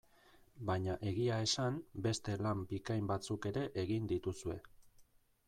Baina egia esan, beste lan bikain batzuk ere egin dituzue.